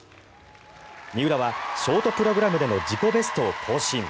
三浦はショートプログラムでの自己ベストを更新。